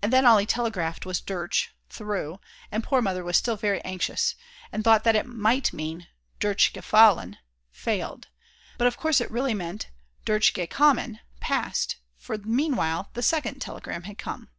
And then all he telegraphed was "durch" [through] and poor Mother was still very anxious, and thought that it might mean durchgefallen [failed]. But of course it really meant durchgekommen [passed], for meanwhile the second telegram had come.